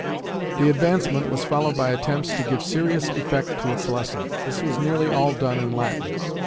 The Advancement was followed by attempts to give serious effect to its lesson. This was nearly all done in Latin.